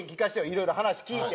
いろいろ話聞いて。